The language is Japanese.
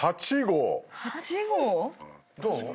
どう？